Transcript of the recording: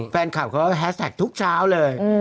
แฟนคลับเขาก็แฮสแท็กทุกเช้าเลย